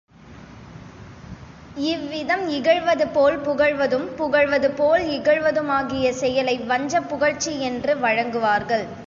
இவ்விதம் இகழ்வதுபோல் புகழ்வதும், புகழ்வதுபோல் இகழ்வதுமாகிய செயலை வஞ்சப்புகழ்ச்சி என்று வழங்குவார்கள்.